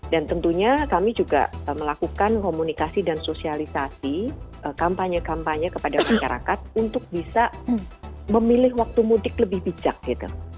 dan tentunya kami juga melakukan komunikasi dan sosialisasi kampanye kampanye kepada masyarakat untuk bisa memilih waktu mudik lebih bijak gitu